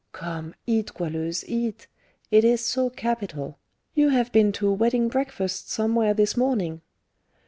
Come, eat, Goualeuse, eat; it is so capital! You have been to a wedding breakfast somewhere this morning."